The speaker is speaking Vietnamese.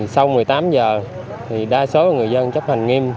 sau một mươi tám giờ thì đa số người dân chấp hành nghiêm